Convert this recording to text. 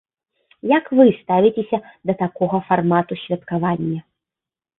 Як вы ставіцеся да такога фармату святкавання?